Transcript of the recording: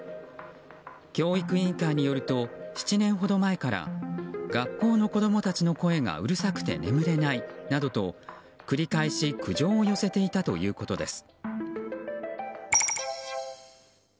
教育委員会によると７年ほど前から学校の子供たちの声がうるさくて眠れないなどと繰り返し苦情を寄せていたということです。